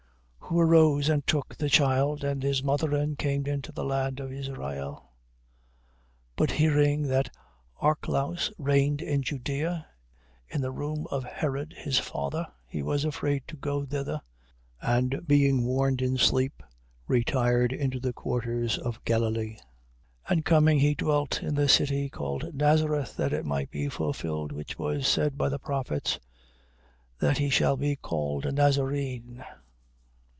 2:21. Who arose, and took the child and his mother, and came into the land of Israel. 2:22. But hearing that Archclaus reigned in Judea in the room of Herod his father, he was afraid to go thither: and being warned in sleep retired into the quarters of Galilee. 2:23. And coming he dwelt in a city called Nazareth: that it might be fulfilled which was said by the prophets: That he shall be called a Nazarene.